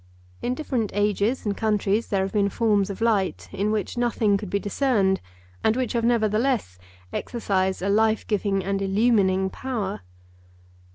In different ages and countries there have been forms of light in which nothing could be discerned and which have nevertheless exercised a life giving and illumining power.